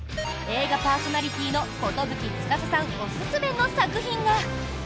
映画パーソナリティーのコトブキツカサさんおすすめの作品が。